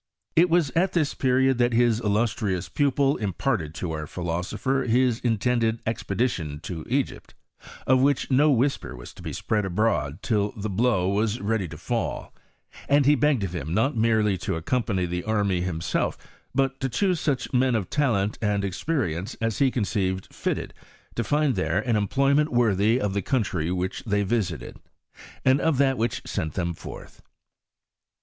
It was at this period that his illustrious pupil imparted to our phi losopher his intended expedition to Egypt, of which no whisper was to be spread abroad till the blow was ready to fall; and he begged of him not merely to accompany the army himself, but to choose such men of talent and experience as he conceived fitted to find there an employment worthy of the country which they visited, and of that which sent them forth.